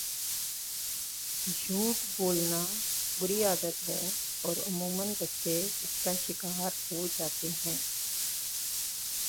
جھوٹ بولنا بُری عادت ہے اور عموماً بچے اس کا شکار ہوجاتے ہیں